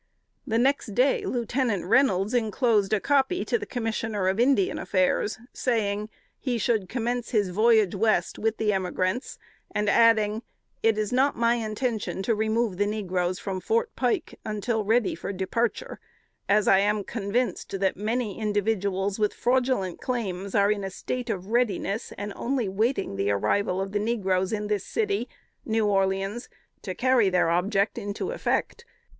The next day Lieutenant Reynolds inclosed a copy to the Commissioner of Indian Affairs, saying, he should commence his voyage West with the emigrants, and adding, "It is not my intention to remove the negroes from Fort Pike until ready for departure, as I am convinced that many individuals with fraudulent claims are in a state of readiness, and only waiting the arrival of the negroes in this city (New Orleans) to carry their object into effect.